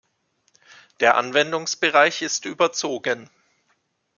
Der Anwendungsbereich ist überzogen.